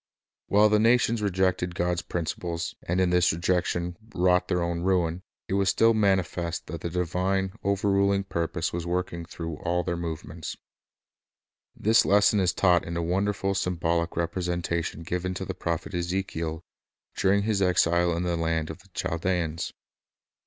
While the nations rejected God's principles, and in this rejection wrought their own ruin, it was still mani fest that the divine, overruling purpose was working through ali their movements. This lesson is taught in a wonderful symbolic repre sentation given to the prophet Ezekiel during his exile in the land of the Chaldeans.